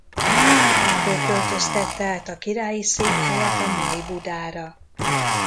Ekkor költöztette át a királyi székhelyet a mai Budára.